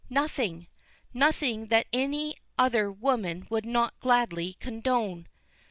Nothing nothing that any other woman would not gladly condone."